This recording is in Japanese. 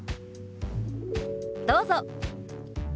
どうぞ。